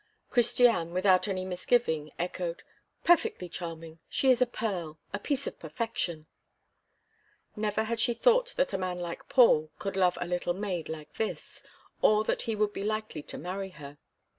Christiane, without any misgiving, echoed: "Perfectly charming. She is a pearl! a piece of perfection!" Never had she thought that a man like Paul could love a little maid like this, or that he would be likely to marry her.